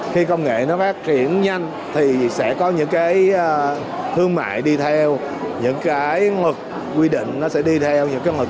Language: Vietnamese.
khi công nghệ nó phát triển nhanh thì sẽ có những cái thương mại đi theo những cái luật quy định nó sẽ đi theo